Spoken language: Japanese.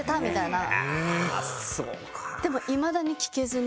でも。